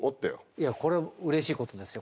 いやこれうれしいことですよ。